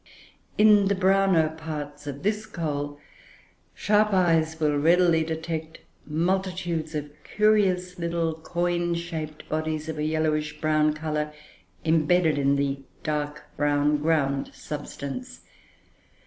In the browner parts of this coal, sharp eyes will readily detect multitudes of curious little coin shaped bodies, of a yellowish brown colour, embedded in the dark brown ground substance.